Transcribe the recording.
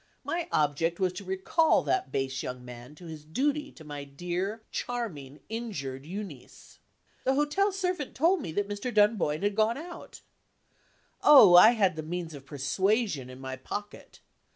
My object was to recall that base young man to his duty to my dear charming injured Euneece. The hotel servant told me that Mr. Dunboyne had gone out. Oh, I had the means of persuasion in my pocket!